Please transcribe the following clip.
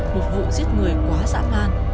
một vụ giết người quá dã man